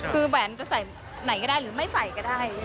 คือแหวนจะใส่ไหนก็ได้หรือไม่ใส่ก็ได้